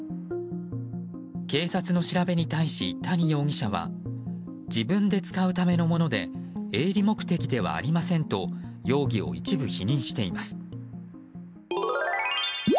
警察の調べに対し、谷容疑者は自分で使うためのもので営利目的ではありませんと容疑を一部否認しています。